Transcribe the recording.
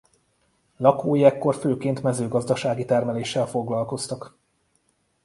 Lakói ekkor főként mezőgazdasági termeléssel foglalkoztak.